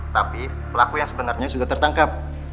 tapi pelaku yang sebenernya sudah tertangkap